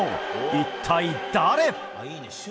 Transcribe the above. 一体、誰？